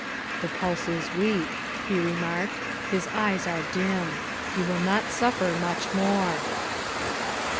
" The pulse is weak," he remarked, " his eyes are dim. He will not suffer much more."